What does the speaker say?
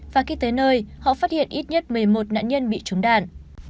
và khi tới nơi họ phát hiện ít nhất một mươi một nạn nhân bị trúng đạn